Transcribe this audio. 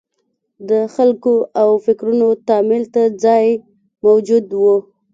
د خلکو او فکرونو تامل ته ځای موجود وي.